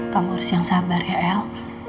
kamu harus yang sabar el